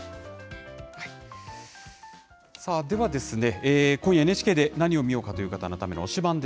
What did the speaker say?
さあ、ではですね、今夜ＮＨＫで何を見ようかという方のための推しバン！